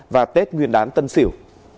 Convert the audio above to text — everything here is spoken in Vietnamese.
và tết nguyên đán tân sỉu